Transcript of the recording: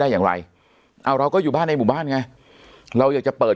อย่างไรเอาเราก็อยู่บ้านในหมู่บ้านไงเราอยากจะเปิด